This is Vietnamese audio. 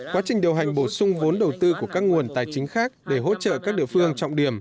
quá trình điều hành bổ sung vốn đầu tư của các nguồn tài chính khác để hỗ trợ các địa phương trọng điểm